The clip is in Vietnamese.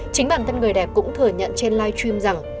chính bản thân người đẹp cũng thừa nhận trên live stream rằng